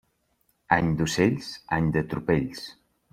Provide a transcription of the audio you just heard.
Any d'ocells, any de tropells.